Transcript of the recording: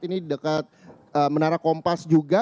ini di dekat menara kompas juga